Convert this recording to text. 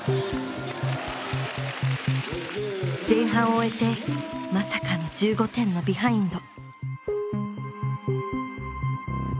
前半を終えてまさかの１５点のビハインド。